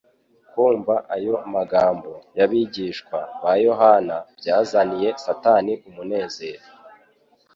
Kumva ayo magambo y'abigishwa baYohana byazaniye Satani umunezero